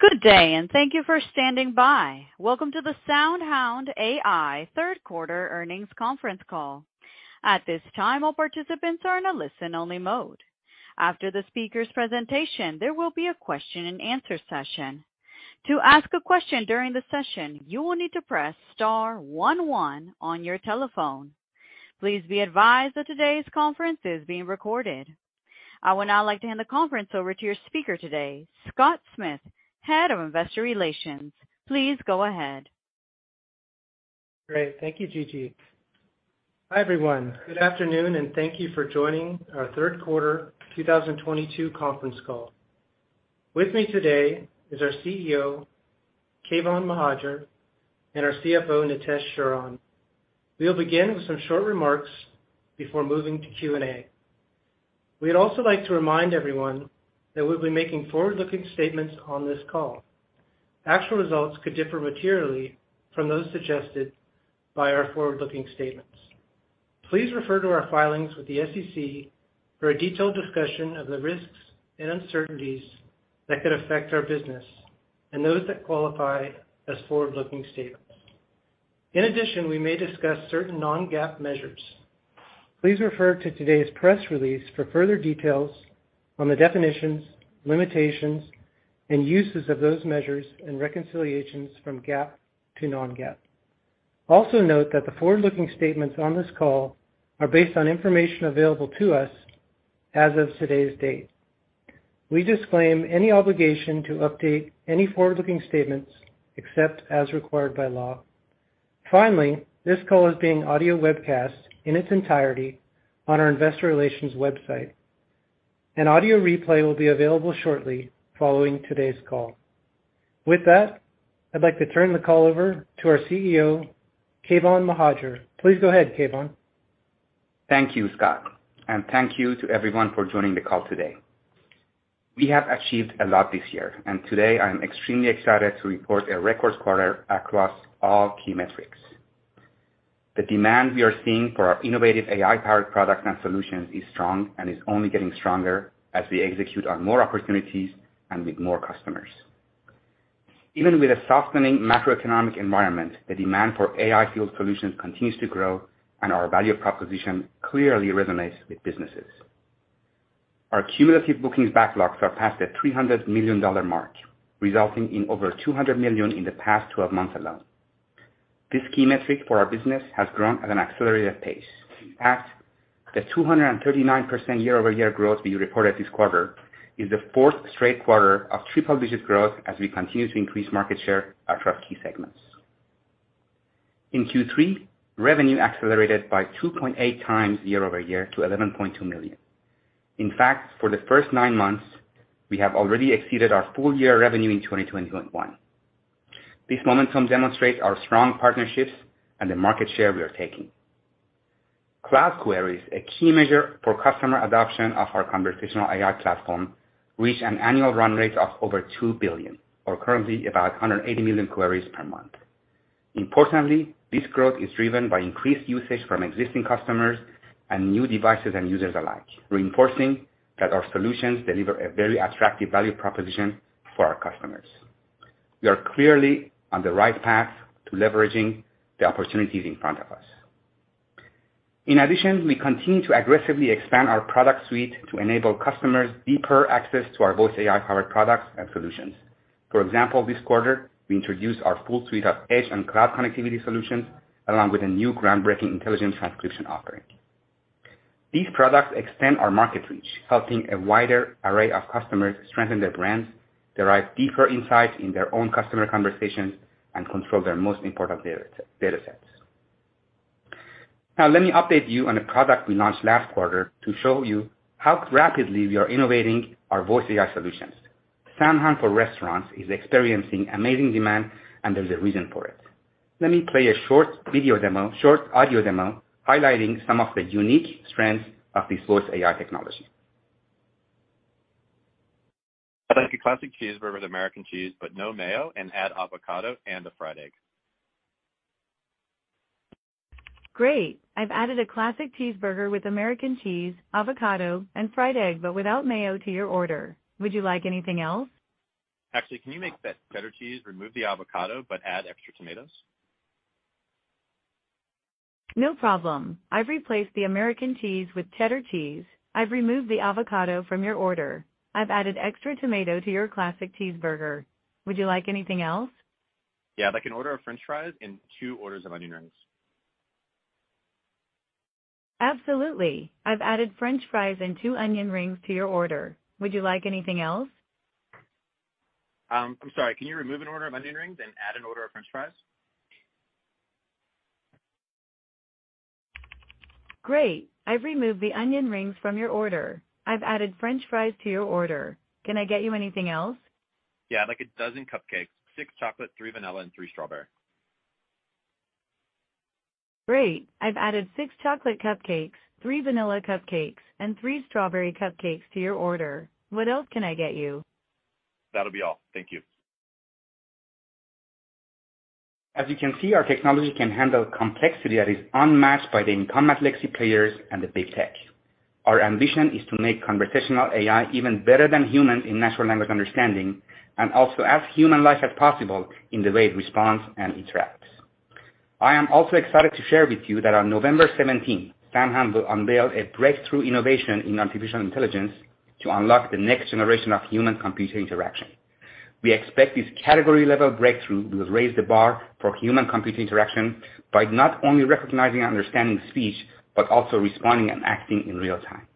Good day, and thank you for standing by. Welcome to the SoundHound AI third quarter earnings conference call. At this time, all participants are in a listen-only mode. After the speaker's presentation, there will be a question and answer session. To ask a question during the session, you will need to press star one one on your telephone. Please be advised that today's conference is being recorded. I would now like to hand the conference over to your speaker today, Scott Smith, Head of Investor Relations. Please go ahead. Great. Thank you, Gigi. Hi, everyone. Good afternoon, and thank you for joining our third quarter 2022 conference call. With me today is our CEO, Keyvan Mohajer, and our CFO, Nitesh Sharan. We'll begin with some short remarks before moving to Q&A. We'd also like to remind everyone that we'll be making forward-looking statements on this call. Actual results could differ materially from those suggested by our forward-looking statements. Please refer to our filings with the SEC for a detailed discussion of the risks and uncertainties that could affect our business and those that qualify as forward-looking statements. In addition, we may discuss certain non-GAAP measures. Please refer to today's press release for further details on the definitions, limitations, and uses of those measures and reconciliations from GAAP to non-GAAP. Also note that the forward-looking statements on this call are based on information available to us as of today's date. We disclaim any obligation to update any forward-looking statements except as required by law. Finally, this call is being audio webcast in its entirety on our investor relations website. An audio replay will be available shortly following today's call. With that, I'd like to turn the call over to our CEO, Keyvan Mohajer. Please go ahead, Keyvan. Thank you, Scott, and thank you to everyone for joining the call today. We have achieved a lot this year, and today I am extremely excited to report a record quarter across all key metrics. The demand we are seeing for our innovative AI-powered products and solutions is strong and is only getting stronger as we execute on more opportunities and with more customers. Even with a softening macroeconomic environment, the demand for AI field solutions continues to grow, and our value proposition clearly resonates with businesses. Our cumulative bookings backlogs are past the $300 million mark, resulting in over $200 million in the past 12 months alone. This key metric for our business has grown at an accelerated pace. In fact, the 239% year-over-year growth we reported this quarter is the fourth straight quarter of triple-digit growth as we continue to increase market share across key segments. In Q3, revenue accelerated by 2.8 times year-over-year to $11.2 million. In fact, for the first nine months, we have already exceeded our full year revenue in 2021. This momentum demonstrates our strong partnerships and the market share we are taking. Cloud queries, a key measure for customer adoption of our conversational AI platform, reached an annual run rate of over 2 billion or currently about 180 million queries per month. Importantly, this growth is driven by increased usage from existing customers and new devices and users alike, reinforcing that our solutions deliver a very attractive value proposition for our customers. We are clearly on the right path to leveraging the opportunities in front of us. In addition, we continue to aggressively expand our product suite to enable customers deeper access to our voice AI-powered products and solutions. For example, this quarter, we introduced our full suite of edge and cloud connectivity solutions, along with a new groundbreaking intelligent transcription offering. These products extend our market reach, helping a wider array of customers strengthen their brands, derive deeper insights in their own customer conversations, and control their most important data sets. Now, let me update you on a product we launched last quarter to show you how rapidly we are innovating our voice AI solutions. SoundHound for Restaurants is experiencing amazing demand, and there's a reason for it. Let me play a short audio demo highlighting some of the unique strengths of this voice AI technology. I'd like a classic cheeseburger with American cheese, but no mayo, and add avocado and a fried egg. Great. I've added a classic cheeseburger with American cheese, avocado, and fried egg, but without mayo to your order. Would you like anything else? Actually, can you make that cheddar cheese, remove the avocado, but add extra tomatoes? No problem. I've replaced the American cheese with cheddar cheese. I've removed the avocado from your order. I've added extra tomato to your classic cheeseburger. Would you like anything else? Yeah. I'd like an order of French fries and two orders of onion rings. Absolutely. I've added French fries and two onion rings to your order. Would you like anything else? I'm sorry. Can you remove an order of onion rings and add an order of french fries? Great. I've removed the onion rings from your order. I've added French fries to your order. Can I get you anything else? Yeah. I'd like 12 cupcakes, six chocolate, three vanilla, and three strawberry. Great. I've added six chocolate cupcakes, three vanilla cupcakes, and three strawberry cupcakes to your order. What else can I get you? That'll be all. Thank you. As you can see, our technology can handle complexity that is unmatched by the incumbent legacy players and the big tech. Our ambition is to make conversational AI even better than human in natural language understanding and also as human-like as possible in the way it responds and interacts. I am also excited to share with you that on November 17, SoundHound will unveil a breakthrough innovation in artificial intelligence to unlock the next generation of human-computer interaction. We expect this category-level breakthrough will raise the bar for human-computer interaction by not only recognizing and understanding speech, but also responding and acting in real time.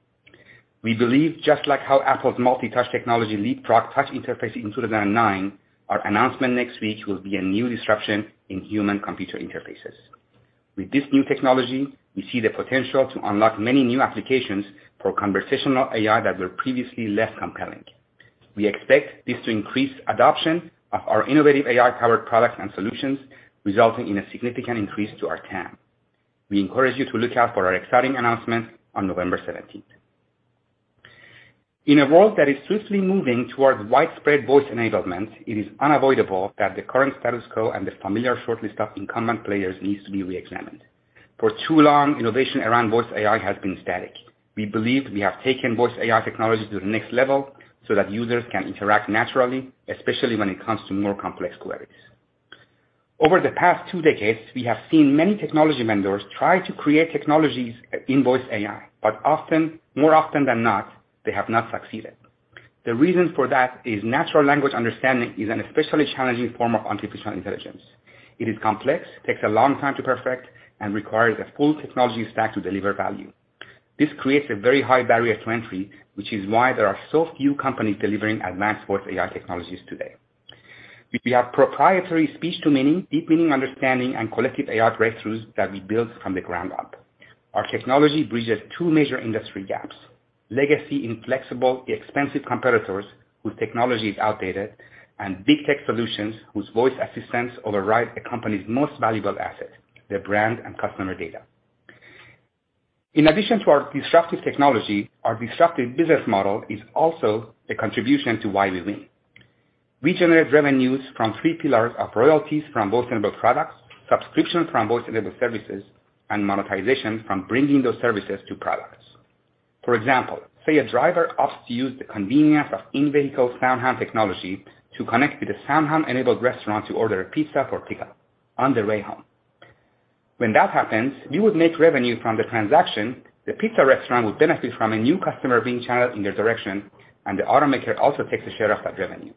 We believe just like how Apple's multi-touch technology leapfrogged touch interface in 2009, our announcement next week will be a new disruption in human-computer interfaces. With this new technology, we see the potential to unlock many new applications for conversational AI that were previously less compelling. We expect this to increase adoption of our innovative AI-powered products and solutions, resulting in a significant increase to our TAM. We encourage you to look out for our exciting announcement on November 17th. In a world that is swiftly moving towards widespread voice enablement, it is unavoidable that the current status quo and the familiar shortlist of incumbent players needs to be reexamined. For too long, innovation around voice AI has been static. We believe we have taken voice AI technology to the next level so that users can interact naturally, especially when it comes to more complex queries. Over the past two decades, we have seen many technology vendors try to create technologies in voice AI, but often, more often than not, they have not succeeded. The reason for that is natural language understanding is an especially challenging form of artificial intelligence. It is complex, takes a long time to perfect, and requires a full technology stack to deliver value. This creates a very high barrier to entry, which is why there are so few companies delivering advanced voice AI technologies today. We have proprietary Speech-to-Meaning, Deep Meaning Understanding, and Collective AI breakthroughs that we built from the ground up. Our technology bridges two major industry gaps, legacy inflexible, expensive competitors whose technology is outdated, and big tech solutions whose voice assistants override a company's most valuable asset, their brand and customer data. In addition to our disruptive technology, our disruptive business model is also a contribution to why we win. We generate revenues from three pillars of royalties from voice-enabled products, subscription from voice-enabled services, and monetization from bringing those services to products. For example, say a driver opts to use the convenience of in-vehicle SoundHound technology to connect with a SoundHound-enabled restaurant to order a pizza for pickup on the way home. When that happens, we would make revenue from the transaction, the pizza restaurant would benefit from a new customer being channeled in their direction, and the automaker also takes a share of that revenue.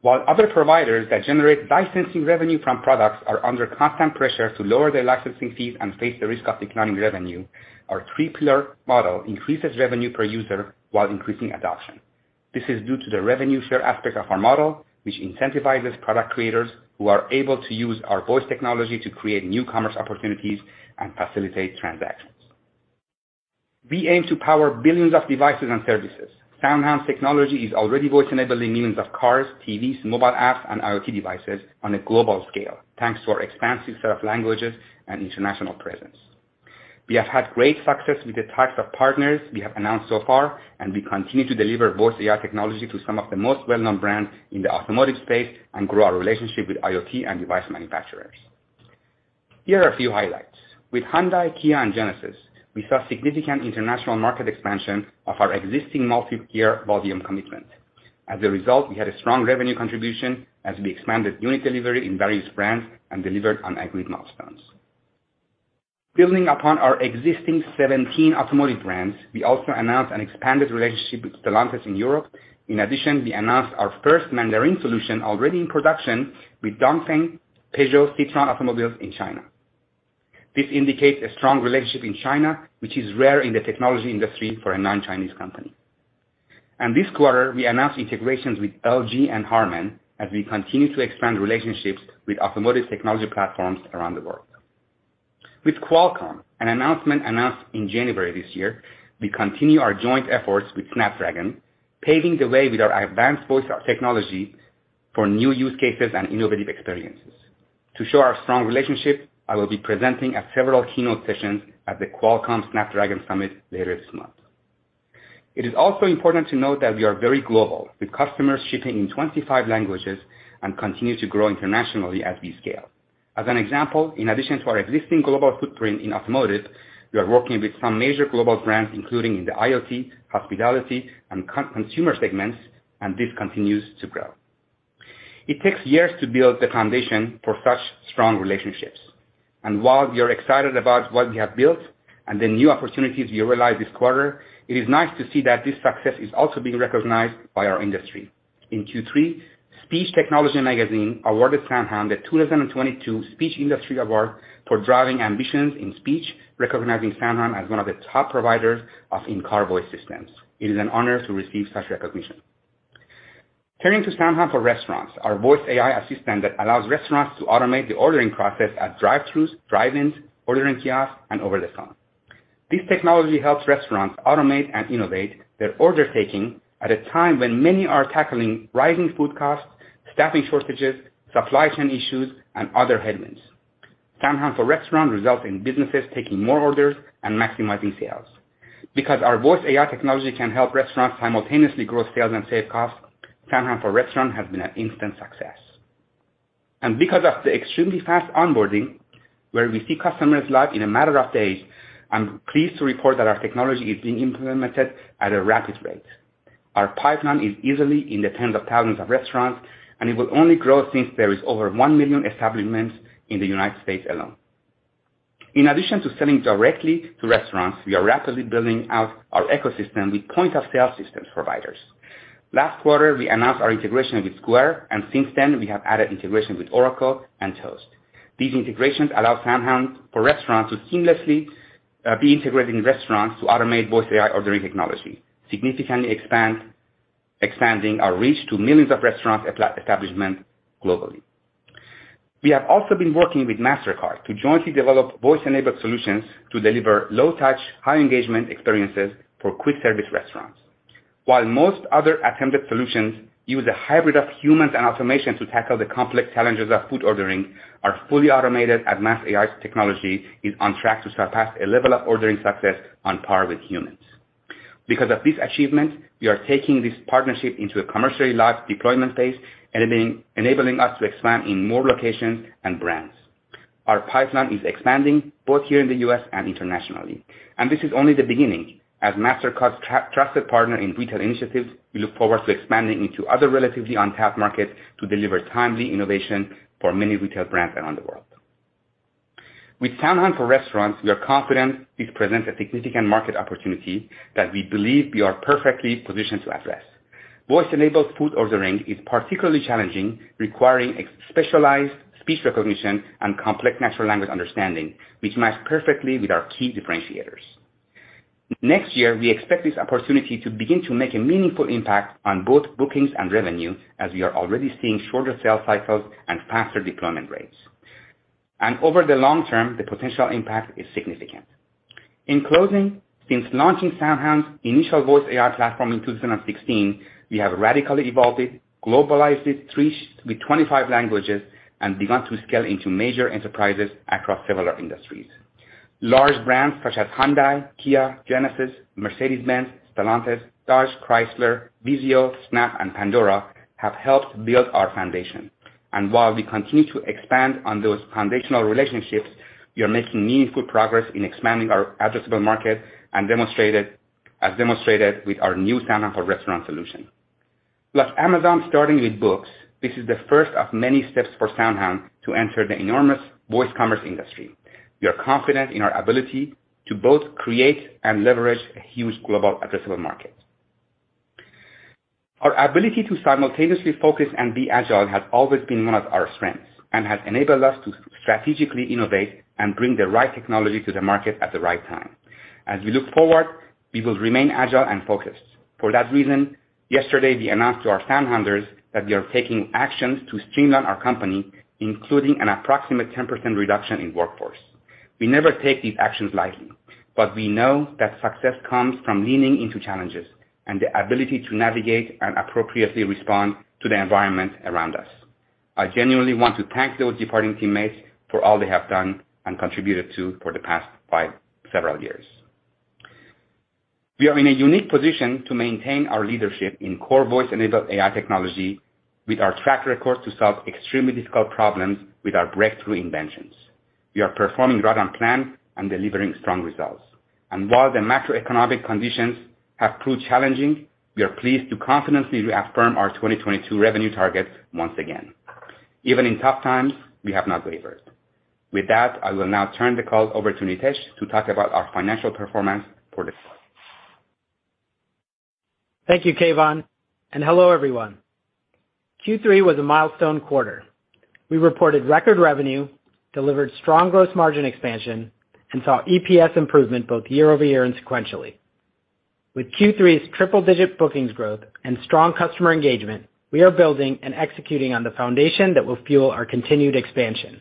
While other providers that generate licensing revenue from products are under constant pressure to lower their licensing fees and face the risk of declining revenue, our three-pillar model increases revenue per user while increasing adoption. This is due to the revenue share aspect of our model, which incentivizes product creators who are able to use our voice technology to create new commerce opportunities and facilitate transactions. We aim to power billions of devices and services. SoundHound's technology is already voice-enabling millions of cars, TVs, mobile apps, and IoT devices on a global scale, thanks to our expansive set of languages and international presence. We have had great success with the types of partners we have announced so far, and we continue to deliver voice AI technology to some of the most well-known brands in the automotive space and grow our relationship with IoT and device manufacturers. Here are a few highlights. With Hyundai, Kia, and Genesis, we saw significant international market expansion of our existing multi-year volume commitment. As a result, we had a strong revenue contribution as we expanded unit delivery in various brands and delivered on agreed milestones. Building upon our existing 17 automotive brands, we also announced an expanded relationship with Stellantis in Europe. In addition, we announced our first Mandarin solution already in production with DongFeng Peugeot-Citroën Automobile in China. This indicates a strong relationship in China, which is rare in the technology industry for a non-Chinese company. This quarter, we announced integrations with LG and Harman as we continue to expand relationships with automotive technology platforms around the world. With Qualcomm, an announcement in January this year, we continue our joint efforts with Snapdragon, paving the way with our advanced voice technology for new use cases and innovative experiences. To show our strong relationship, I will be presenting at several keynote sessions at the Qualcomm Snapdragon Summit later this month. It is also important to note that we are very global, with customers shipping in 25 languages and continue to grow internationally as we scale. As an example, in addition to our existing global footprint in automotive, we are working with some major global brands, including in the IoT, hospitality, and consumer segments, and this continues to grow. It takes years to build the foundation for such strong relationships. While we are excited about what we have built and the new opportunities we realized this quarter, it is nice to see that this success is also being recognized by our industry. In Q3, Speech Technology magazine awarded SoundHound the 2022 Speech Industry Award for driving ambitions in speech, recognizing SoundHound as one of the top providers of in-car voice systems. It is an honor to receive such recognition. Turning to SoundHound for Restaurants, our voice AI assistant that allows restaurants to automate the ordering process at drive-throughs, drive-ins, ordering kiosks, and over the phone. This technology helps restaurants automate and innovate their order taking at a time when many are tackling rising food costs, staffing shortages, supply chain issues, and other headwinds. SoundHound for Restaurants results in businesses taking more orders and maximizing sales. Because our voice AI technology can help restaurants simultaneously grow sales and save costs, SoundHound for Restaurants has been an instant success. Because of the extremely fast onboarding, where we see customers live in a matter of days, I'm pleased to report that our technology is being implemented at a rapid rate. Our pipeline is easily in the tens of thousands of restaurants, and it will only grow since there is over 1 million establishments in the United States alone. In addition to selling directly to restaurants, we are rapidly building out our ecosystem with point-of-sale systems providers. Last quarter, we announced our integration with Square, and since then, we have added integration with Oracle and Toast. These integrations allow SoundHound for Restaurants to seamlessly be integrating restaurants to automate voice AI ordering technology, significantly expanding our reach to millions of restaurant establishments globally. We have also been working with Mastercard to jointly develop voice-enabled solutions to deliver low-touch, high-engagement experiences for quick-service restaurants. While most other attempted solutions use a hybrid of humans and automation to tackle the complex challenges of food ordering, our fully automated advanced AI technology is on track to surpass a level of ordering success on par with humans. Because of this achievement, we are taking this partnership into a commercially large deployment phase, enabling us to expand in more locations and brands. Our pipeline is expanding both here in the U.S. and internationally, and this is only the beginning. As Mastercard's trusted partner in retail initiatives, we look forward to expanding into other relatively untapped markets to deliver timely innovation for many retail brands around the world. With SoundHound for Restaurants, we are confident this presents a significant market opportunity that we believe we are perfectly positioned to address. Voice-enabled food ordering is particularly challenging, requiring a specialized speech recognition and complex natural language understanding, which match perfectly with our key differentiators. Next year, we expect this opportunity to begin to make a meaningful impact on both bookings and revenue, as we are already seeing shorter sales cycles and faster deployment rates. Over the long term, the potential impact is significant. In closing, since launching SoundHound's initial voice AI platform in 2016, we have radically evolved it, globalized it, reached with 25 languages, and begun to scale into major enterprises across several industries. Large brands such as Hyundai, Kia, Genesis, Mercedes-Benz, Stellantis, Dodge, Chrysler, VIZIO, Snap, and Pandora have helped build our foundation. While we continue to expand on those foundational relationships, we are making meaningful progress in expanding our addressable market and as demonstrated with our new SoundHound for Restaurants solution. Like Amazon starting with books, this is the first of many steps for SoundHound to enter the enormous voice commerce industry. We are confident in our ability to both create and leverage a huge global addressable market. Our ability to simultaneously focus and be agile has always been one of our strengths and has enabled us to strategically innovate and bring the right technology to the market at the right time. As we look forward, we will remain agile and focused. For that reason, yesterday, we announced to our SoundHounders that we are taking actions to streamline our company, including an approximate 10% reduction in workforce. We never take these actions lightly, but we know that success comes from leaning into challenges and the ability to navigate and appropriately respond to the environment around us. I genuinely want to thank those departing teammates for all they have done and contributed to for the past several years. We are in a unique position to maintain our leadership in core voice-enabled AI technology with our track record to solve extremely difficult problems with our breakthrough inventions. We are performing right on plan and delivering strong results. While the macroeconomic conditions have proved challenging, we are pleased to confidently reaffirm our 2022 revenue targets once again. Even in tough times, we have not wavered. With that, I will now turn the call over to Nitesh to talk about our financial performance for the quarter. Thank you, Keyvan, and hello, everyone. Q3 was a milestone quarter. We reported record revenue, delivered strong gross margin expansion, and saw EPS improvement both year-over-year and sequentially. With Q3's triple-digit bookings growth and strong customer engagement, we are building and executing on the foundation that will fuel our continued expansion.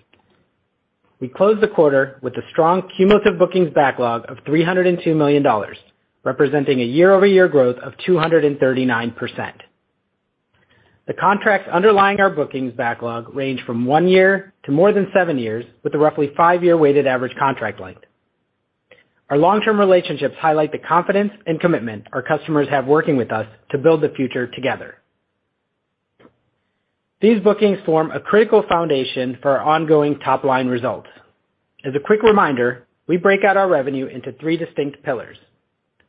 We closed the quarter with a strong cumulative bookings backlog of $302 million, representing a year-over-year growth of 239%. The contracts underlying our bookings backlog range from one year to more than seven years, with a roughly five-year weighted average contract length. Our long-term relationships highlight the confidence and commitment our customers have working with us to build the future together. These bookings form a critical foundation for our ongoing top-line results. As a quick reminder, we break out our revenue into three distinct pillars.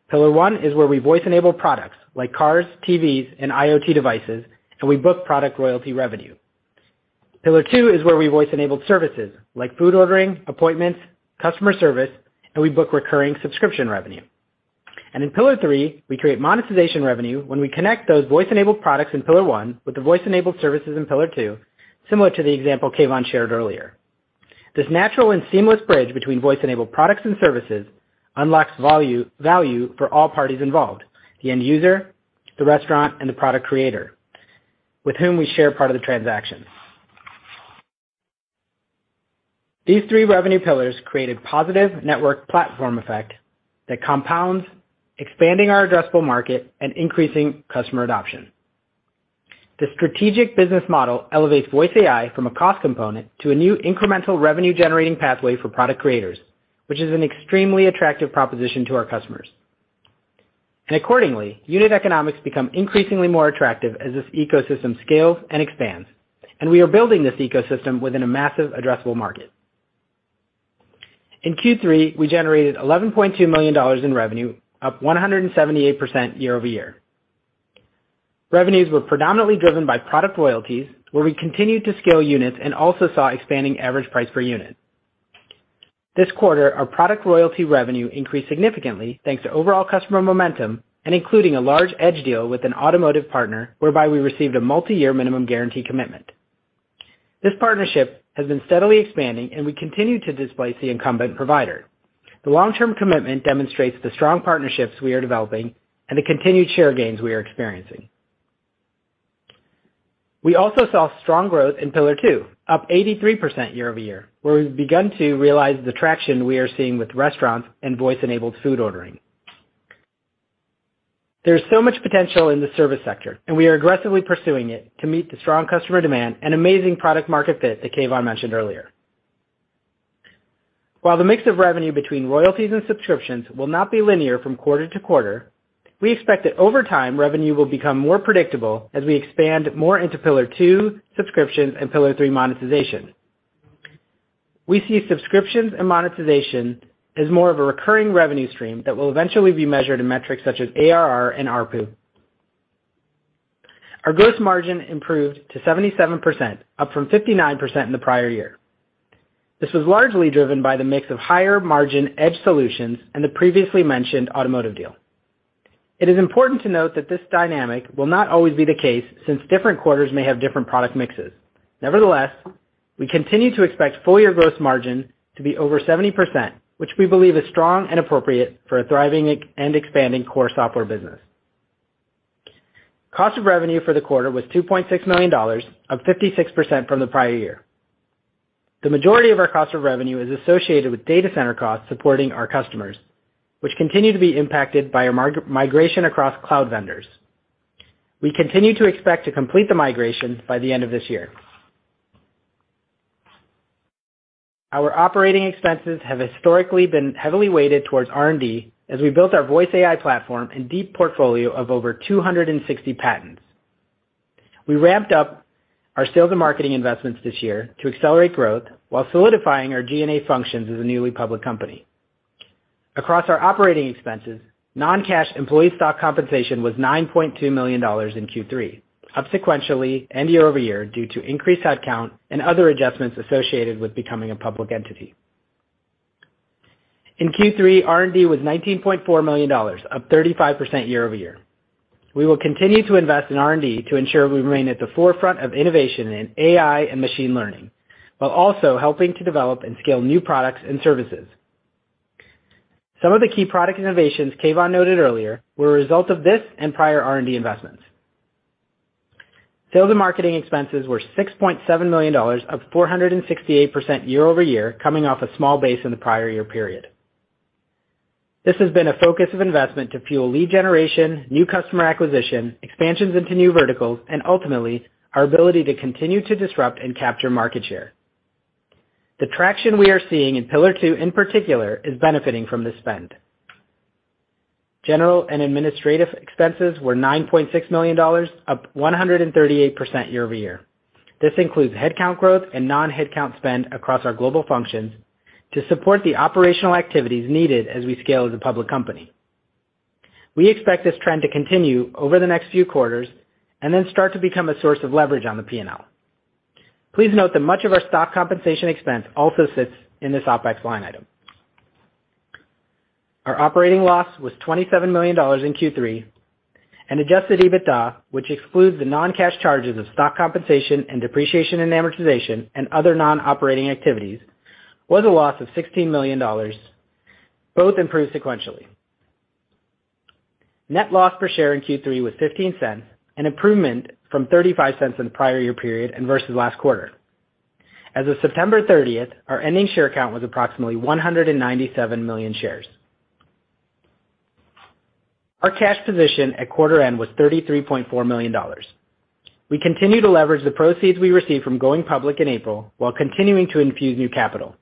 Pillar one is where we voice-enable products like cars, TVs, and IoT devices, and we book product royalty revenue. Pillar two is where we voice-enable services like food ordering, appointments, customer service, and we book recurring subscription revenue. In pillar three, we create monetization revenue when we connect those voice-enabled products in pillar one with the voice-enabled services in pillar two, similar to the example Keyvan shared earlier. This natural and seamless bridge between voice-enabled products and services unlocks value for all parties involved, the end user, the restaurant, and the product creator, with whom we share part of the transaction. These three revenue pillars create a positive network platform effect that compounds, expanding our addressable market and increasing customer adoption. The strategic business model elevates voice AI from a cost component to a new incremental revenue-generating pathway for product creators, which is an extremely attractive proposition to our customers. Accordingly, unit economics become increasingly more attractive as this ecosystem scales and expands, and we are building this ecosystem within a massive addressable market. In Q3, we generated $11.2 million in revenue, up 178% year-over-year. Revenues were predominantly driven by product royalties, where we continued to scale units and also saw expanding average price per unit. This quarter, our product royalty revenue increased significantly, thanks to overall customer momentum and including a large edge deal with an automotive partner, whereby we received a multiyear minimum guarantee commitment. This partnership has been steadily expanding, and we continue to displace the incumbent provider. The long-term commitment demonstrates the strong partnerships we are developing and the continued share gains we are experiencing. We also saw strong growth in pillar two, up 83% year-over-year, where we've begun to realize the traction we are seeing with restaurants and voice-enabled food ordering. There's so much potential in the service sector, and we are aggressively pursuing it to meet the strong customer demand and amazing product market fit that Keyvan mentioned earlier. While the mix of revenue between royalties and subscriptions will not be linear from quarter to quarter, we expect that over time, revenue will become more predictable as we expand more into pillar two, subscriptions, and pillar three, monetization. We see subscriptions and monetization as more of a recurring revenue stream that will eventually be measured in metrics such as ARR and ARPU. Our gross margin improved to 77%, up from 59% in the prior year. This was largely driven by the mix of higher-margin edge solutions and the previously mentioned automotive deal. It is important to note that this dynamic will not always be the case since different quarters may have different product mixes. Nevertheless, we continue to expect full-year gross margin to be over 70%, which we believe is strong and appropriate for a thriving and expanding core software business. Cost of revenue for the quarter was $2.6 million, up 56% from the prior year. The majority of our cost of revenue is associated with data center costs supporting our customers, which continue to be impacted by a migration across cloud vendors. We continue to expect to complete the migration by the end of this year. Our operating expenses have historically been heavily weighted towards R&D as we built our voice AI platform and deep portfolio of over 260 patents. We ramped up our sales and marketing investments this year to accelerate growth while solidifying our G&A functions as a newly public company. Across our operating expenses, non-cash employee stock compensation was $9.2 million in Q3, up sequentially and year-over-year due to increased headcount and other adjustments associated with becoming a public entity. In Q3, R&D was $19.4 million, up 35% year-over-year. We will continue to invest in R&D to ensure we remain at the forefront of innovation in AI and machine learning, while also helping to develop and scale new products and services. Some of the key product innovations Keyvan noted earlier were a result of this and prior R&D investments. Sales and marketing expenses were $6.7 million, up 468% year-over-year, coming off a small base in the prior year period. This has been a focus of investment to fuel lead generation, new customer acquisition, expansions into new verticals, and ultimately, our ability to continue to disrupt and capture market share. The traction we are seeing in pillar two, in particular, is benefiting from this spend. General and administrative expenses were $9.6 million, up 138% year-over-year. This includes headcount growth and non-headcount spend across our global functions to support the operational activities needed as we scale as a public company. We expect this trend to continue over the next few quarters and then start to become a source of leverage on the P&L. Please note that much of our stock compensation expense also sits in this OpEx line item. Our operating loss was $27 million in Q3, and adjusted EBITDA, which excludes the non-cash charges of stock compensation and depreciation and amortization and other non-operating activities, was a loss of $16 million, both improved sequentially. Net loss per share in Q3 was $0.15, an improvement from $0.35 in the prior year period and versus last quarter. As of September 30th, our ending share count was approximately 197 million shares. Our cash position at quarter end was $33.4 million. We continue to leverage the proceeds we received from going public in April while continuing to infuse new capital.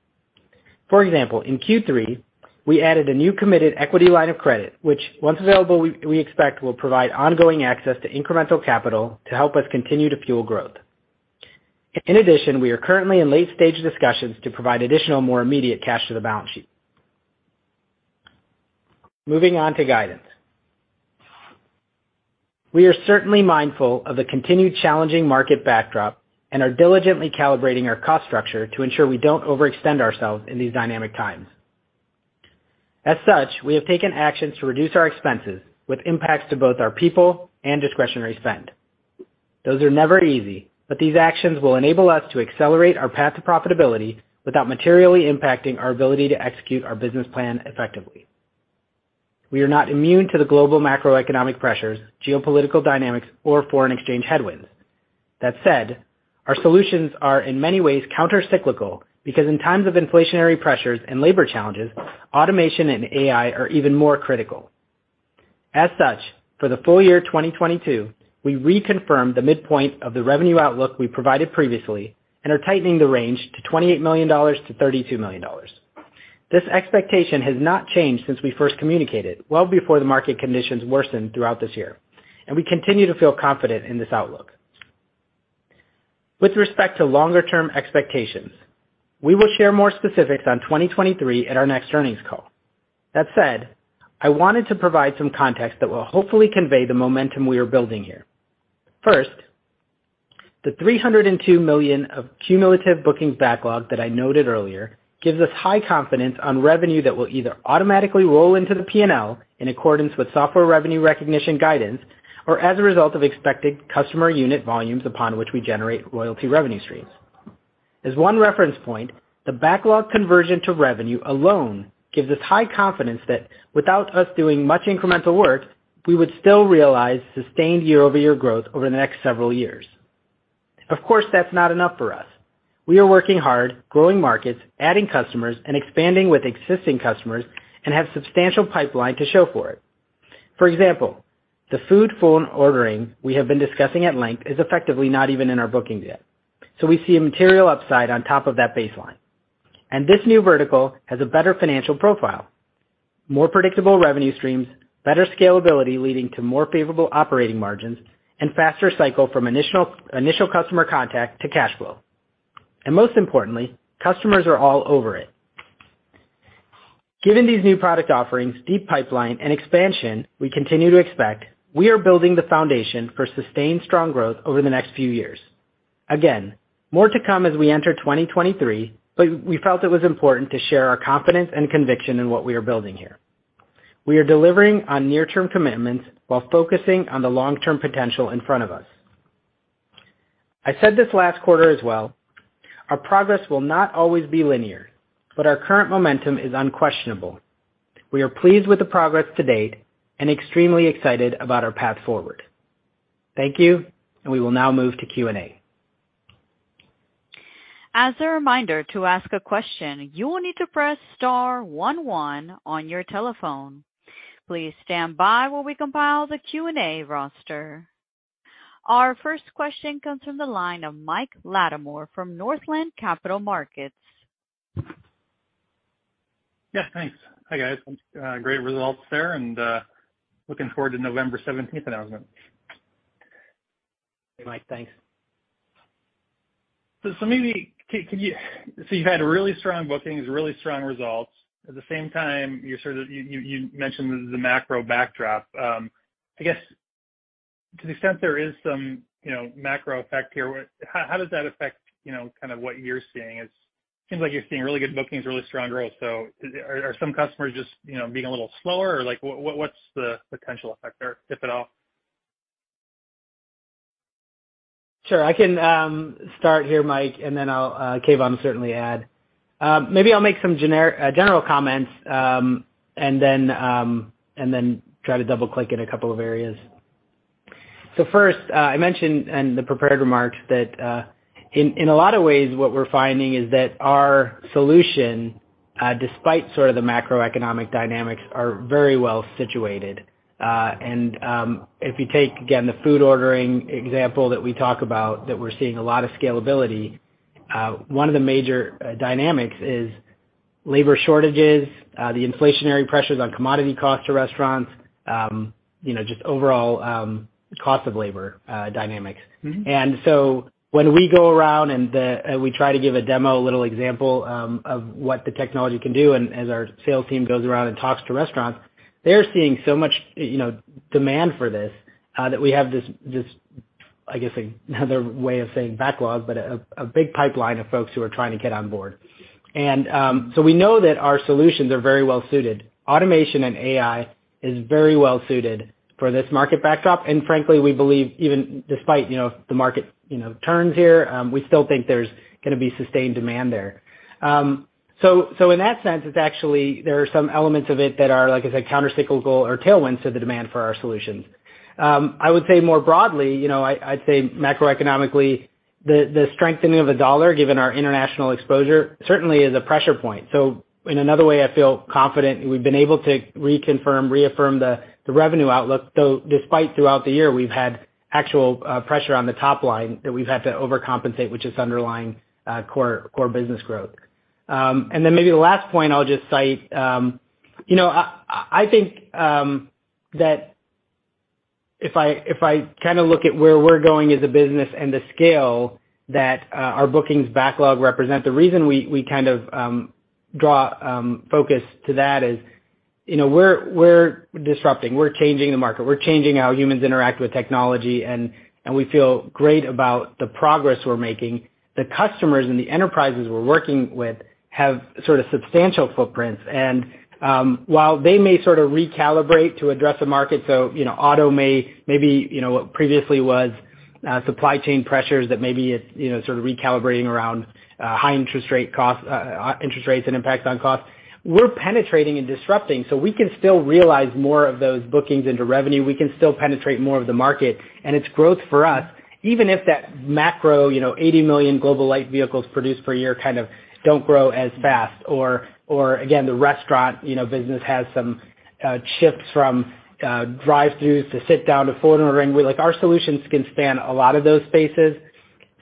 For example, in Q3, we added a new committed equity line of credit, which, once available, we expect will provide ongoing access to incremental capital to help us continue to fuel growth. In addition, we are currently in late-stage discussions to provide additional, more immediate cash to the balance sheet. Moving on to guidance. We are certainly mindful of the continued challenging market backdrop and are diligently calibrating our cost structure to ensure we don't overextend ourselves in these dynamic times. As such, we have taken actions to reduce our expenses with impacts to both our people and discretionary spend. Those are never easy, but these actions will enable us to accelerate our path to profitability without materially impacting our ability to execute our business plan effectively. We are not immune to the global macroeconomic pressures, geopolitical dynamics, or foreign exchange headwinds. That said, our solutions are in many ways countercyclical because in times of inflationary pressures and labor challenges, automation and AI are even more critical. As such, for the full year 2022, we reconfirm the midpoint of the revenue outlook we provided previously and are tightening the range to $28 million-$32 million. This expectation has not changed since we first communicated, well before the market conditions worsened throughout this year, and we continue to feel confident in this outlook. With respect to longer-term expectations, we will share more specifics on 2023 at our next earnings call. That said, I wanted to provide some context that will hopefully convey the momentum we are building here. First, the $302 million of cumulative bookings backlog that I noted earlier gives us high confidence on revenue that will either automatically roll into the P&L in accordance with software revenue recognition guidance, or as a result of expected customer unit volumes upon which we generate royalty revenue streams. As one reference point, the backlog conversion to revenue alone gives us high confidence that without us doing much incremental work, we would still realize sustained year-over-year growth over the next several years. Of course, that's not enough for us. We are working hard, growing markets, adding customers, and expanding with existing customers, and have substantial pipeline to show for it. For example, the food phone ordering we have been discussing at length is effectively not even in our bookings yet. We see a material upside on top of that baseline. This new vertical has a better financial profile, more predictable revenue streams, better scalability leading to more favorable operating margins, and faster cycle from initial customer contact to cash flow. Most importantly, customers are all over it. Given these new product offerings, deep pipeline, and expansion we continue to expect, we are building the foundation for sustained strong growth over the next few years. Again, more to come as we enter 2023, but we felt it was important to share our confidence and conviction in what we are building here. We are delivering on near-term commitments while focusing on the long-term potential in front of us. I said this last quarter as well, our progress will not always be linear, but our current momentum is unquestionable. We are pleased with the progress to date and extremely excited about our path forward. Thank you, and we will now move to Q&A. As a reminder, to ask a question, you will need to press star one one on your telephone. Please stand by while we compile the Q&A roster. Our first question comes from the line of Mike Latimore from Northland Capital Markets. Yes, thanks. Hi, guys. Great results there and looking forward to November 17th announcement. Hey, Mike. Thanks. You've had really strong bookings, really strong results. At the same time, you sort of you mentioned the macro backdrop. I guess to the extent there is some, you know, macro effect here, how does that affect, you know, kind of what you're seeing? It seems like you're seeing really good bookings, really strong growth. Are some customers just, you know, being a little slower or like what's the potential effect there, if at all? Sure. I can start here, Mike, and then I'll Keyvan will certainly add. Maybe I'll make some general comments, and then try to double-click in a couple of areas. First, I mentioned in the prepared remarks that in a lot of ways, what we're finding is that our solution despite sort of the macroeconomic dynamics are very well situated. If you take again the food ordering example that we talk about that we're seeing a lot of scalability, one of the major dynamics is labor shortages, the inflationary pressures on commodity costs to restaurants, you know, just overall cost of labor dynamics. Mm-hmm. When we go around we try to give a demo, a little example, of what the technology can do and as our sales team goes around and talks to restaurants, they're seeing so much, you know, demand for this, that we have this, I guess, another way of saying backlog, but a big pipeline of folks who are trying to get on board. We know that our solutions are very well suited. Automation and AI is very well suited for this market backdrop. Frankly, we believe even despite, you know, the market, you know, turns here, we still think there's gonna be sustained demand there. In that sense, it's actually there are some elements of it that are, like I said, countercyclical or tailwinds to the demand for our solutions. I would say more broadly, you know, I'd say macroeconomically, the strengthening of the dollar, given our international exposure, certainly is a pressure point. In another way, I feel confident we've been able to reconfirm, reaffirm the revenue outlook, though despite throughout the year, we've had actual pressure on the top line that we've had to overcompensate, which is underlying core business growth. Then maybe the last point I'll just cite, you know, I think that if I kind of look at where we're going as a business and the scale that our bookings backlog represent, the reason we kind of draw focus to that is, you know, we're disrupting, we're changing the market, we're changing how humans interact with technology, and we feel great about the progress we're making. The customers and the enterprises we're working with have sort of substantial footprints. While they may sort of recalibrate to address the market, you know, auto may, you know, what previously was supply chain pressures that maybe it, you know, sort of recalibrating around high interest rates and impacts on costs. We're penetrating and disrupting, so we can still realize more of those bookings into revenue. We can still penetrate more of the market, and it's growth for us. Even if that macro, you know, 80 million global light vehicles produced per year kind of don't grow as fast or again, the restaurant, you know, business has some shifts from drive-thrus to sit-down to phone ordering. Like, our solutions can span a lot of those spaces.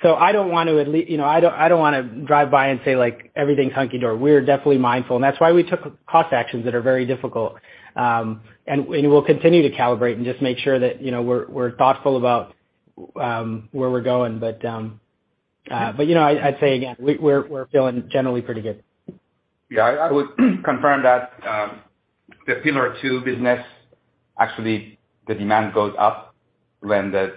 I don't want to, you know, I don't wanna drive by and say, like, everything's hunky-dory. We're definitely mindful, and that's why we took cost actions that are very difficult. We'll continue to calibrate and just make sure that, you know, we're thoughtful about where we're going. you know, I'd say again, we're feeling generally pretty good. Yeah. I would confirm that, the pillar two business, actually the demand goes up when the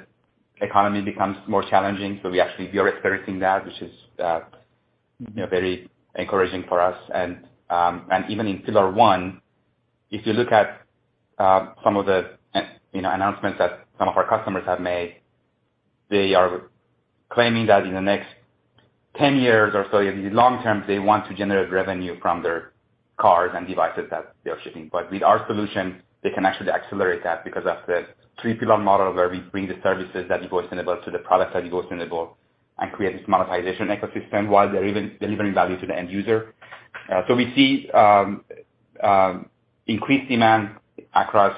economy becomes more challenging. We actually are experiencing that, which is, you know, very encouraging for us. Even in pillar one, if you look at, some of the, you know, announcements that some of our customers have made, they are claiming that in the next 10 years or so, in the long term, they want to generate revenue from their cars and devices that they are shipping. With our solution, they can actually accelerate that because that's the three-pillar model where we bring the services that you voice enable to the products that you voice enable and create this monetization ecosystem while they're even delivering value to the end user. We see increased demand across,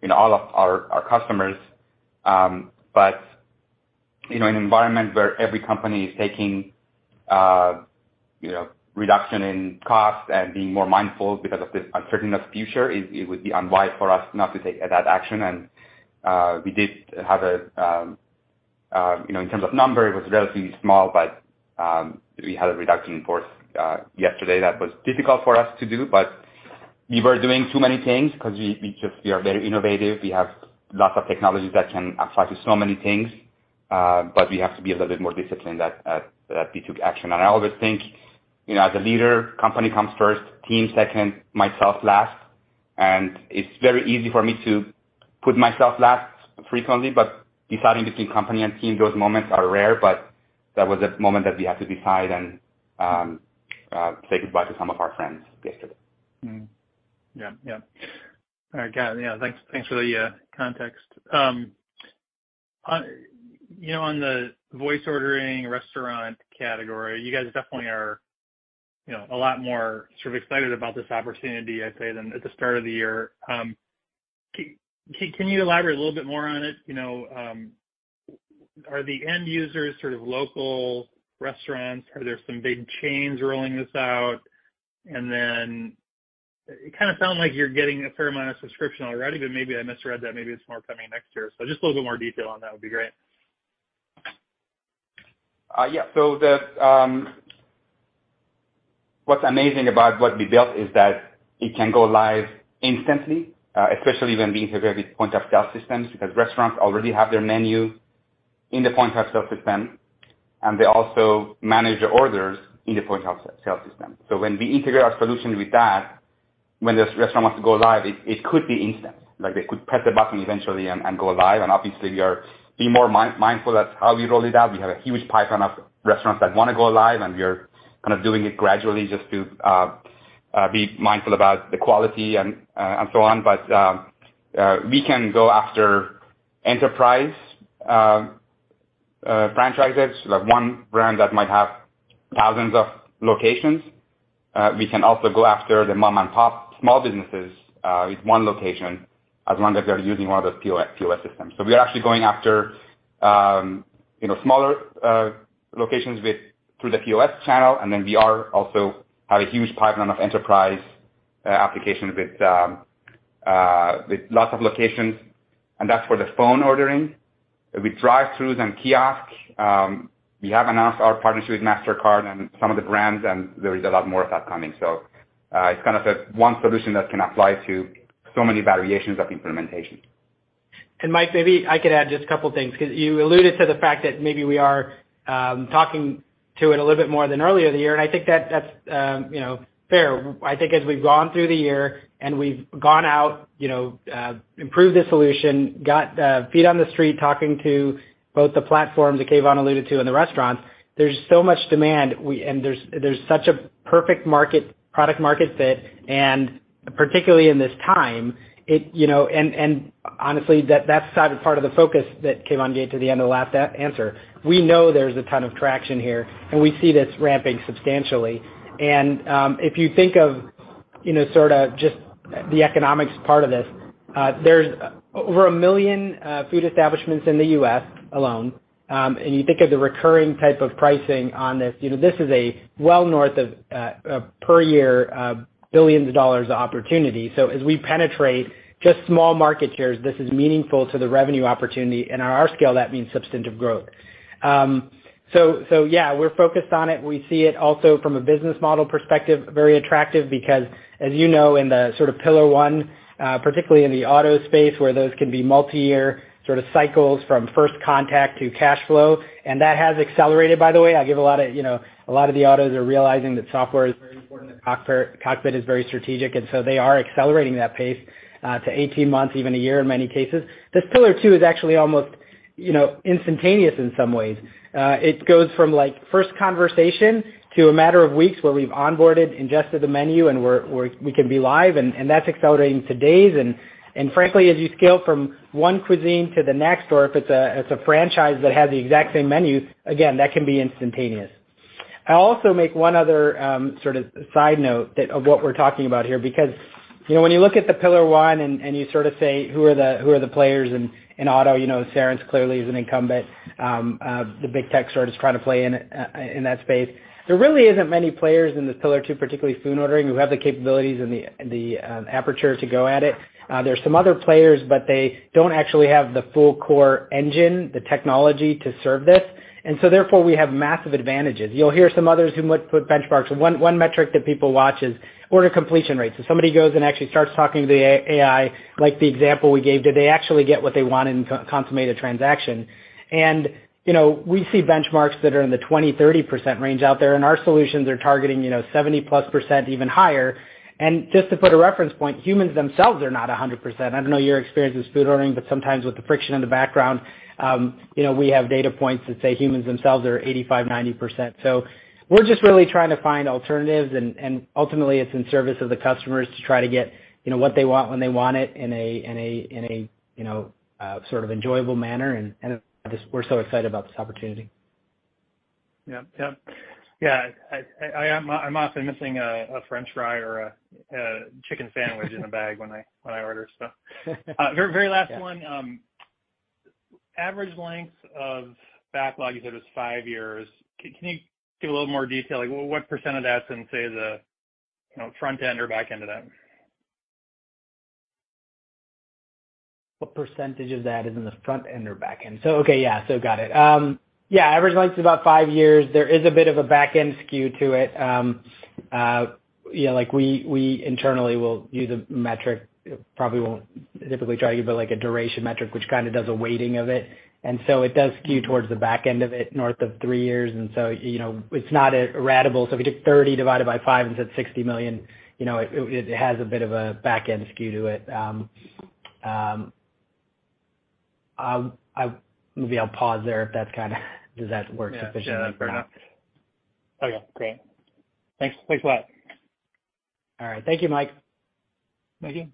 you know, all of our customers. You know, in an environment where every company is taking, you know, reduction in cost and being more mindful because of this uncertain future, it would be unwise for us not to take that action. We did have a, you know, in terms of numbers, it was relatively small, but we had a reduction in force yesterday that was difficult for us to do, but we were doing too many things because we just are very innovative. We have lots of technologies that can apply to so many things, but we have to be a little bit more disciplined that we took action. I always think, you know, as a leader, company comes first, team second, myself last, and it's very easy for me to put myself last frequently. Deciding between company and team, those moments are rare. That was a moment that we had to decide and say goodbye to some of our friends yesterday. All right, got it. Thanks for the context. You know, on the voice ordering restaurant category, you guys definitely are, you know, a lot more sort of excited about this opportunity, I'd say, than at the start of the year. Can you elaborate a little bit more on it? You know, are the end users sort of local restaurants? Are there some big chains rolling this out? It kinda sound like you're getting a fair amount of subscription already, but maybe I misread that, maybe it's more coming next year. Just a little bit more detail on that would be great. Yeah. What's amazing about what we built is that it can go live instantly, especially when we integrate with point of sale systems, because restaurants already have their menu in the point of sale system, and they also manage the orders in the point of sale system. When we integrate our solution with that, when the restaurant wants to go live, it could be instant. Like, they could press a button eventually and go live. Obviously we are being more mindful of how we roll it out. We have a huge pipeline of restaurants that wanna go live, and we're kind of doing it gradually just to be mindful about the quality and so on. We can go after enterprise franchises. We have one brand that might have thousands of locations. We can also go after the mom-and-pop small businesses, with one location as long as they're using one of the POS systems. We are actually going after, you know, smaller locations through the POS channel. We also have a huge pipeline of enterprise applications with lots of locations, and that's for the phone ordering. With drive-thrus and kiosks, we have announced our partnership with Mastercard and some of the brands, and there is a lot more of that coming. It's kind of the one solution that can apply to so many variations of implementation. Mike, maybe I could add just a couple of things, 'cause you alluded to the fact that maybe we are talking to it a little bit more than earlier in the year, and I think that's you know fair. I think as we've gone through the year and we've gone out you know improved the solution, got feet on the street talking to both the platforms that Keyvan alluded to and the restaurants, there's so much demand and there's such a perfect market, product market fit, and particularly in this time it you know. Honestly, that's kind of part of the focus that Keyvan gave to the end of the last Q&A. We know there's a ton of traction here, and we see this ramping substantially. If you think of, you know, sorta just the economics part of this, there's over 1 million food establishments in the U.S. alone. You think of the recurring type of pricing on this, you know, this is well north of $1 billion per year, $ billions of dollars of opportunity. As we penetrate just small market shares, this is meaningful to the revenue opportunity. On our scale, that means substantive growth. Yeah, we're focused on it. We see it also from a business model perspective, very attractive because as you know, in the sort of pillar one, particularly in the auto space where those can be multi-year sorta cycles from first contact to cash flow, and that has accelerated by the way. A lot of the autos are realizing that software is very important, the cockpit is very strategic, and so they are accelerating that pace to 18 months, even a year in many cases. This pillar two is actually almost, you know, instantaneous in some ways. It goes from, like, first conversation to a matter of weeks where we've onboarded, ingested the menu and we can be live and that's accelerating to days. Frankly, as you scale from one cuisine to the next, or if it's a franchise that has the exact same menu, again, that can be instantaneous. I'll also make one other sort of side note of what we're talking about here, because, you know, when you look at the pillar one and you sort of say, who are the players in auto, you know, Cerence clearly is an incumbent. The big tech giants trying to play in that space. There really isn't many players in the pillar two, particularly food ordering, who have the capabilities and the appetite to go at it. There's some other players, but they don't actually have the full core engine, the technology to serve this. We have massive advantages. You'll hear some others who might put benchmarks. One metric that people watch is order completion rates. If somebody goes and actually starts talking to the AI, like the example we gave, do they actually get what they want and consummate a transaction? You know, we see benchmarks that are in the 20%-30% range out there, and our solutions are targeting, you know, 70%+ even higher. Just to put a reference point, humans themselves are not 100%. I don't know your experience with food ordering, but sometimes with the friction in the background, you know, we have data points that say humans themselves are 85%-90%. We're just really trying to find alternatives and ultimately it's in service of the customers to try to get, you know, what they want when they want it in a you know sort of enjoyable manner. We're so excited about this opportunity. Yeah. Yeah. I'm often missing a french fry or a chicken sandwich in a bag when I order, so. Very last one. Average length of backlog, you said was five years. Can you give a little more detail, like what percent of that's in, say, the, you know, front end or back end of that? What percentage of that is in the front end or back end? Okay, yeah. Got it. Yeah, average length is about five years. There is a bit of a back-end skew to it. You know, like we internally will use a metric, probably won't typically try to give like a duration metric, which kinda does a weighting of it. It does skew towards the back end of it, north of three years. You know, it's not ratable. If you took $30 million divided by five and said $60 million, you know, it has a bit of a back-end skew to it. Maybe I'll pause there if that's kinda Does that work sufficiently for now? Yeah. Fair enough. Okay, great. Thanks. Thanks a lot. All right. Thank you, Mike. Gigi?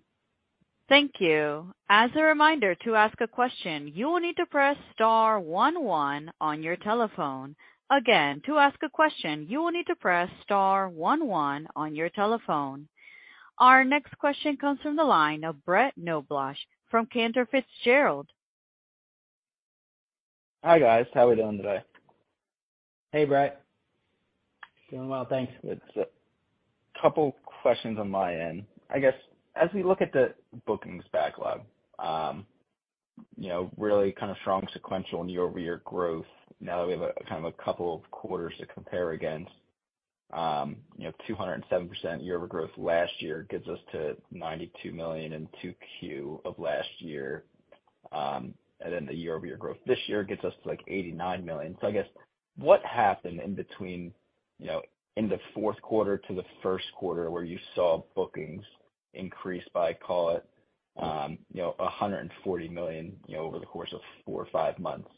Thank you. As a reminder, to ask a question, you will need to press star one one on your telephone. Again, to ask a question, you will need to press star one one on your telephone. Our next question comes from the line of Brett Knoblauch from Cantor Fitzgerald. Hi, guys. How are we doing today? Hey, Brett. Doing well, thanks. Good. Couple questions on my end. I guess as we look at the bookings backlog, you know, really kind of strong sequential year-over-year growth now that we have a kind of a couple of quarters to compare against. You know, 207% year-over-year growth last year gets us to $92 million in 2Q of last year. And then the year-over-year growth this year gets us to, like, $89 million. I guess what happened in between, you know, in the fourth quarter to the first quarter where you saw bookings increase by, call it, you know, $140 million over the course of four or five months?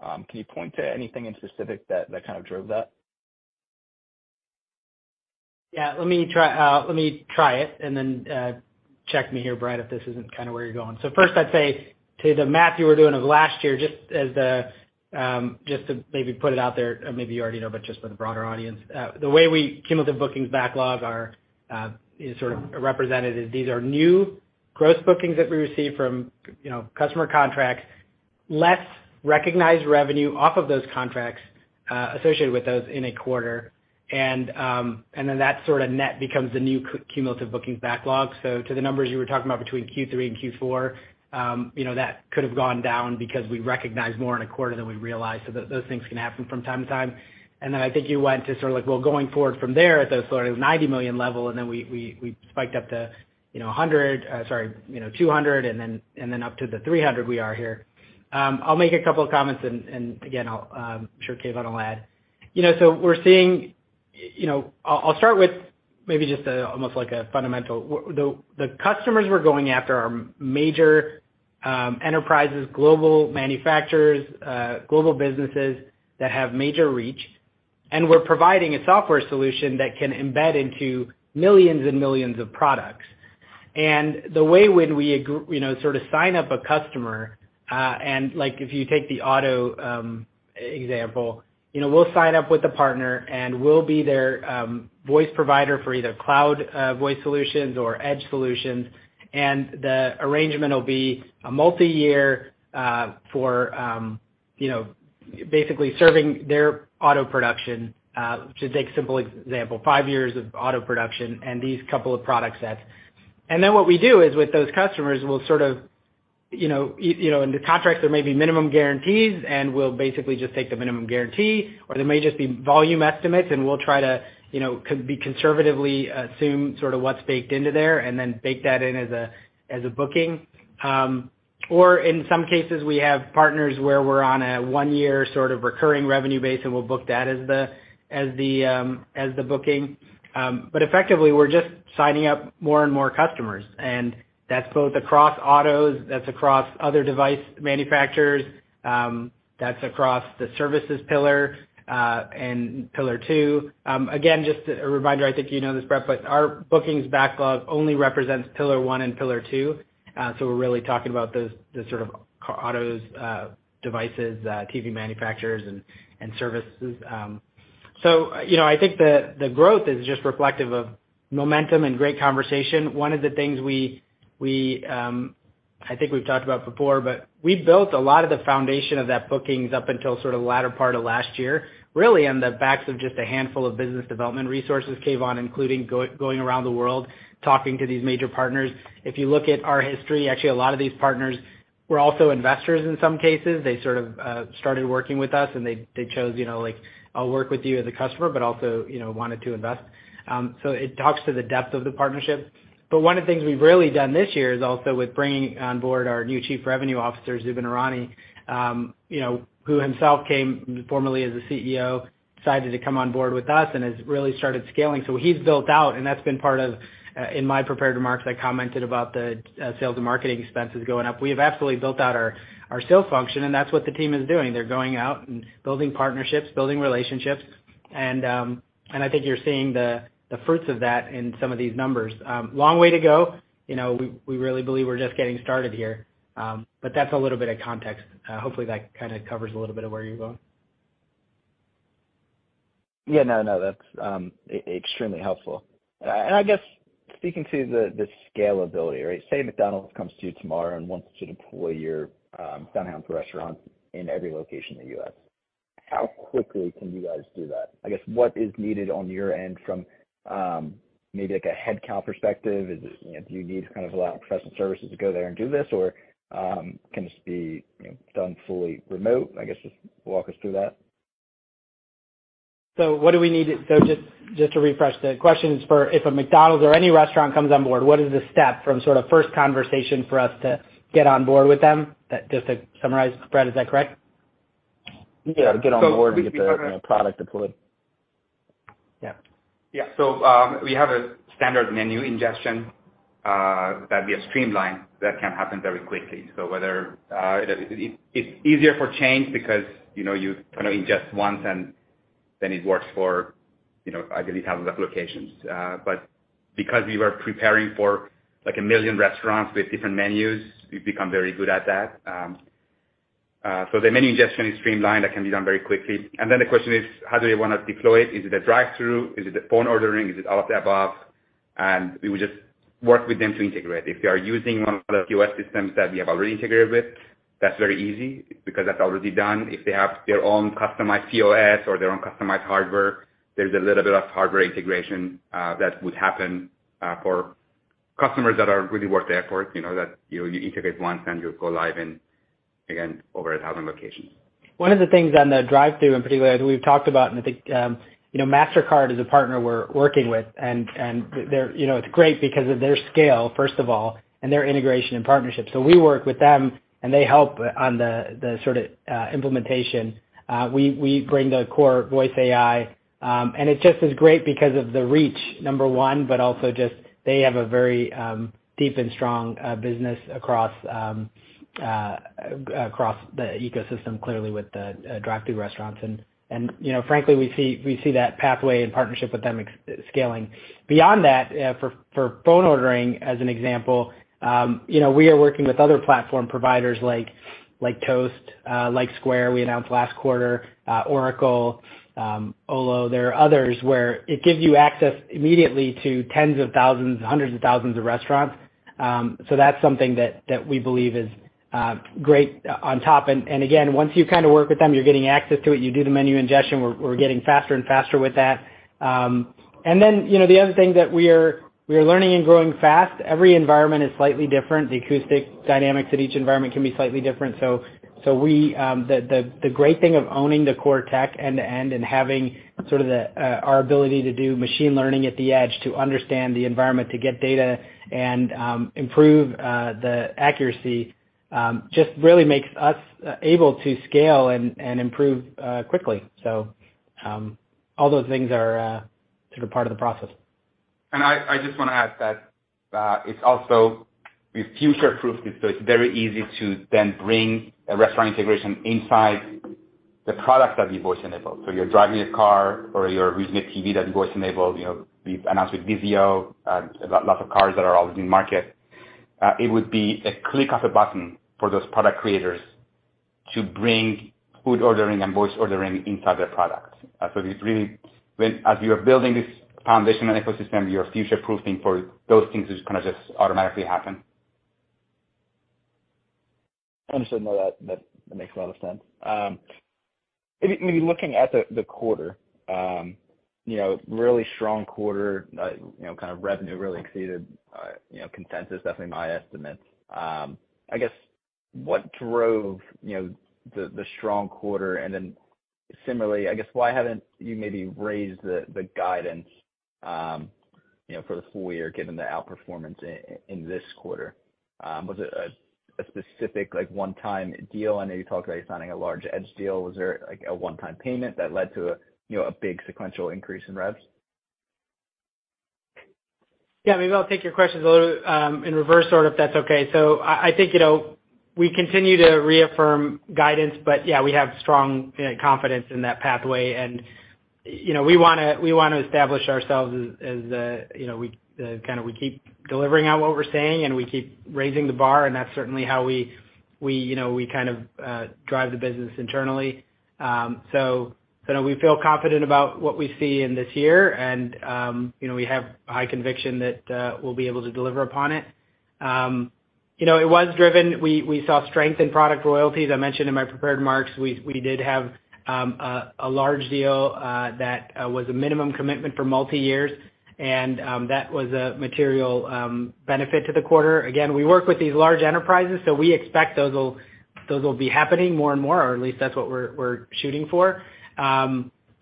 Can you point to anything in specific that kind of drove that? Yeah. Let me try it, and then check me here, Brett, if this isn't kinda where you're going. First I'd say to the math you were doing of last year, just to maybe put it out there, or maybe you already know, but just for the broader audience. The way our cumulative bookings backlog is sort of represented is these are new gross bookings that we receive from, you know, customer contracts, less recognized revenue off of those contracts associated with those in a quarter. Then that sort of net becomes the new cumulative bookings backlog. To the numbers you were talking about between Q3 and Q4, you know, that could have gone down because we recognized more in a quarter than we realized. Those things can happen from time to time. Then I think you went to sort of like, well, going forward from there at the sort of $90 million level, and then we spiked up to, you know, 200 and then up to the 300 we are here. I'll make a couple of comments and again, I'll, I'm sure Keyvan will add. You know, we're seeing. You know, I'll start with maybe just almost like a fundamental. The customers we're going after are major enterprises, global manufacturers, global businesses that have major reach, and we're providing a software solution that can embed into millions and millions of products. The way when we you know, sort of sign up a customer, and like if you take the auto example, you know, we'll sign up with a partner, and we'll be their voice provider for either cloud voice solutions or edge solutions. The arrangement will be a multiyear you know, basically serving their auto production to take a simple example, five years of auto production and these couple of product sets. Then what we do is with those customers, we'll sort of you know, in the contracts there may be minimum guarantees, and we'll basically just take the minimum guarantee, or there may just be volume estimates, and we'll try to you know, conservatively assume sort of what's baked into there and then bake that in as a booking. In some cases, we have partners where we're on a one-year sort of recurring revenue base, and we'll book that as the booking. But effectively, we're just signing up more and more customers. That's both across autos, that's across other device manufacturers, that's across the services pillar, and pillar two. Again, just a reminder, I think you know this, Brett, but our bookings backlog only represents pillar one and pillar two. We're really talking about those autos, devices, TV manufacturers and services. You know, I think the growth is just reflective of momentum and great conversation. One of the things we I think we've talked about before, but we built a lot of the foundation of that bookings up until sort of the latter part of last year, really on the backs of just a handful of business development resources, Keyvan, including going around the world talking to these major partners. If you look at our history, actually a lot of these partners were also investors in some cases. They sort of started working with us and they chose, you know, like, I'll work with you as a customer, but also, you know, wanted to invest. It talks to the depth of the partnership. One of the things we've really done this year is also with bringing on board our new Chief Revenue Officer, Zubin Irani, you know, who himself came formerly as a CEO, decided to come on board with us and has really started scaling. He's built out, and that's been part of in my prepared remarks, I commented about the sales and marketing expenses going up. We have absolutely built out our sales function, and that's what the team is doing. They're going out and building partnerships, building relationships. I think you're seeing the fruits of that in some of these numbers. Long way to go, you know, we really believe we're just getting started here. That's a little bit of context. Hopefully that kinda covers a little bit of where you're going. Yeah, no, that's extremely helpful. I guess speaking to the scalability, right? Say McDonald's comes to you tomorrow and wants to deploy your SoundHound for Restaurants in every location in the U.S. How quickly can you guys do that? I guess what is needed on your end from maybe like a headcount perspective? Is it, you know, do you need kind of a lot of professional services to go there and do this? Or can this be, you know, done fully remote? I guess just walk us through that. Just to refresh the questions for if a McDonald's or any restaurant comes on board, what is the step from sort of first conversation for us to get on board with them? That, just to summarize, Brett, is that correct? Yeah, get on board with the product deployed. Yeah. Yeah. We have a standard menu ingestion that we have streamlined that can happen very quickly. Whether it's easier for chains because, you know, you kind of ingest once and then it works for, you know, ideally thousands of locations. But because we were preparing for like a million restaurants with different menus, we've become very good at that. The menu ingestion is streamlined. That can be done very quickly. The question is, how do they wanna deploy it? Is it a drive-through? Is it the phone ordering? Is it all of the above? We would just work with them to integrate. If they are using one of the POS systems that we have already integrated with, that's very easy because that's already done. If they have their own customized POS or their own customized hardware, there's a little bit of hardware integration that would happen for customers that are really worth the effort, you know, that you integrate once and you go live in, again, over 1,000 locations. One of the things on the drive-through in particular, as we've talked about, and I think you know, Mastercard is a partner we're working with and they're you know, it's great because of their scale, first of all, and their integration and partnership. We work with them, and they help on the sort of implementation. We bring the core voice AI, and it just is great because of the reach, number one, but also just they have a very deep and strong business across the ecosystem clearly with the drive-through restaurants. You know, frankly, we see that pathway and partnership with them scaling. Beyond that, for phone ordering, as an example, you know, we are working with other platform providers like Toast, like Square, we announced last quarter, Oracle, Olo. There are others where it gives you access immediately to tens of thousands, hundreds of thousands of restaurants. That's something that we believe is great on top. Again, once you kinda work with them, you're getting access to it, you do the menu ingestion, we're getting faster and faster with that. Then, you know, the other thing that we are learning and growing fast, every environment is slightly different. The acoustic dynamics at each environment can be slightly different. The great thing of owning the core tech end to end and having sort of our ability to do machine learning at the edge to understand the environment, to get data and improve the accuracy just really makes us able to scale and improve quickly. All those things are sort of part of the process. I just wanna add that, it's also, we've future-proofed it, so it's very easy to then bring a restaurant integration inside the products that we voice enable. You're driving a car or you're using a TV that we voice enable, you know, we've announced with VIZIO, lots of cars that are already in market. It would be a click of a button for those product creators to bring food ordering and voice ordering inside their product. It's really when as you're building this foundation and ecosystem, you're future-proofing for those things to kind of just automatically happen. Understood. No, that makes a lot of sense. Maybe looking at the quarter, you know, really strong quarter, you know, kind of revenue really exceeded, you know, consensus, definitely my estimates. I guess what drove the strong quarter? Then similarly, I guess why haven't you maybe raised the guidance, you know, for the full year given the outperformance in this quarter? Was it a specific like one-time deal? I know you talked about signing a large edge deal. Was there like a one-time payment that led to, you know, a big sequential increase in revs? Yeah. Maybe I'll take your questions a little in reverse order, if that's okay. I think, you know, we continue to reaffirm guidance, but yeah, we have strong, you know, confidence in that pathway. You know, we wanna establish ourselves as, you know, we kinda keep delivering on what we're saying, and we keep raising the bar, and that's certainly how we kind of drive the business internally. You know, we feel confident about what we see in this year and, you know, we have high conviction that we'll be able to deliver upon it. You know, it was driven. We saw strength in product royalties. I mentioned in my prepared remarks, we did have a large deal that was a minimum commitment for multi years, and that was a material benefit to the quarter. Again, we work with these large enterprises, so we expect those will be happening more and more, or at least that's what we're shooting for.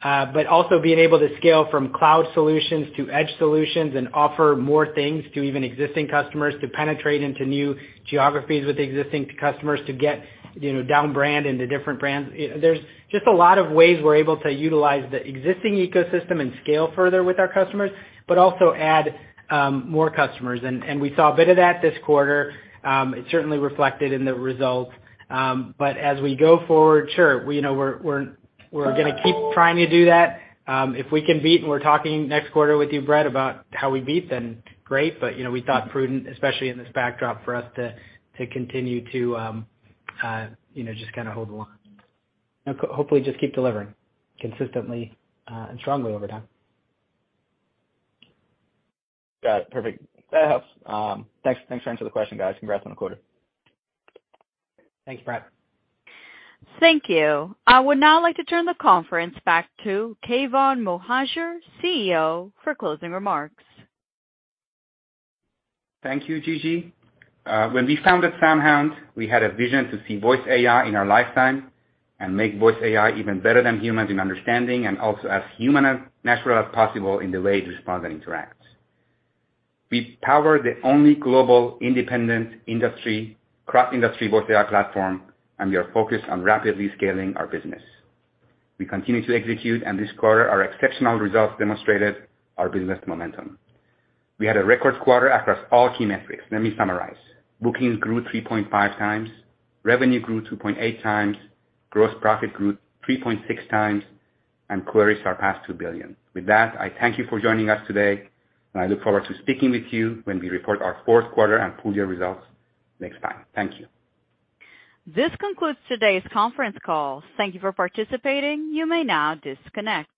But also being able to scale from cloud solutions to edge solutions and offer more things to even existing customers, to penetrate into new geographies with existing customers, to get you know down brand into different brands. There's just a lot of ways we're able to utilize the existing ecosystem and scale further with our customers, but also add more customers. We saw a bit of that this quarter. It certainly reflected in the results. As we go forward, sure, you know, we're gonna keep trying to do that. If we can beat and we're talking next quarter with you, Brett, about how we beat, then great. You know, we thought prudent, especially in this backdrop, for us to continue to, you know, just kinda hold the line. Hopefully just keep delivering consistently and strongly over time. Got it. Perfect. That helps. Thanks for answering the question, guys. Congrats on the quarter. Thanks, Brett. Thank you. I would now like to turn the conference back to Keyvan Mohajer, CEO, for closing remarks. Thank you, Gigi. When we founded SoundHound, we had a vision to see voice AI in our lifetime and make voice AI even better than humans in understanding and also as human and natural as possible in the way it responds and interacts. We power the only global independent industry, cross-industry voice AI platform, and we are focused on rapidly scaling our business. We continue to execute, and this quarter, our exceptional results demonstrated our business momentum. We had a record quarter across all key metrics. Let me summarize. Bookings grew 3.5x, revenue grew 2.8x, gross profit grew 3.6x, and queries surpassed 2 billion. With that, I thank you for joining us today, and I look forward to speaking with you when we report our fourth quarter and full year results next time. Thank you. This concludes today's conference call. Thank you for participating. You may now disconnect.